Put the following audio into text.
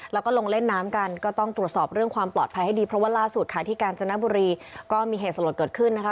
แล้วก็ลงเล่นน้ำกันก็ต้องตรวจสอบเรื่องความปลอดภัยให้ดีเพราะว่าล่าสุดค่ะที่กาญจนบุรีก็มีเหตุสลดเกิดขึ้นนะคะ